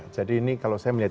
jadi ini kalau saya melihatnya